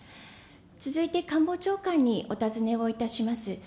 続いて官房長官にお尋ねをいたします。